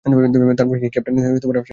তারপর ক্যাপ্টেনের আসনে তুমি বসবে।